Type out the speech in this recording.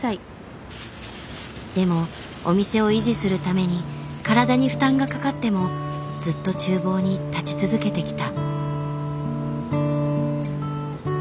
でもお店を維持するために体に負担がかかってもずっと厨房に立ち続けてきた。